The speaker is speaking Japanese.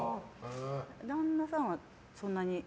旦那さんはそんなに。